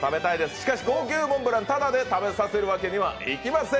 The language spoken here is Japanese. しかし、高級モンブランをただで食べさせるわけにいきません。